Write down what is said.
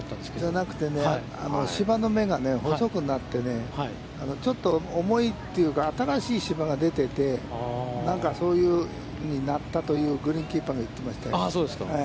じゃなくてね、芝の芽が細くなってね、ちょっと、重いっていうか、新しい芝が出てて、なんか、そういうふうになったというグリーンキーパーが言っていましたよ。